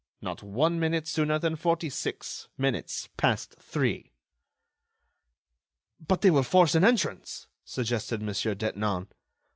Not one minute sooner than forty six minutes past three." "But they will force an entrance," suggested Mon. Detinan.